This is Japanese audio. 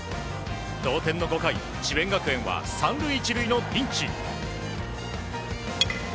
同点の５回、智弁学園は３塁１塁のピンチ。